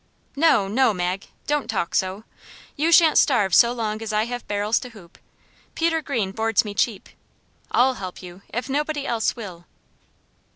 "No, no, Mag! don't talk so. You shan't starve so long as I have barrels to hoop. Peter Greene boards me cheap. I'll help you, if nobody else will."